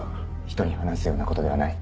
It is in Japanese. ひとに話すようなことではない。